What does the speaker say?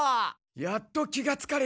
やっと気がつかれましたな。